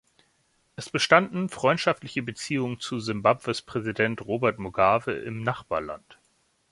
Es bestanden freundschaftliche Beziehungen zu Simbabwes Präsident Robert Mugabe im Nachbarland.